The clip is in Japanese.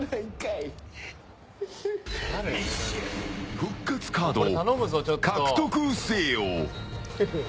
復活カードを獲得せよ！